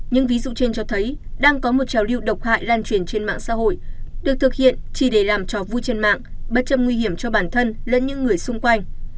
những ví dụ trên cho thấy đang có một trào lưu độc hại lan truyền trên mạng xã hội được thực hiện chỉ để làm trò vui trên mạng bất chấp nguy hiểm cho bản thân lẫn những người xung quanh